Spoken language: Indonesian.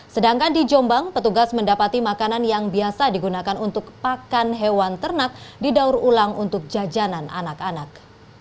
sedangkan di jombang petugas mendapati makanan yang biasa digunakan untuk pakan hewan ternak didaur ulang untuk jajanan anak anak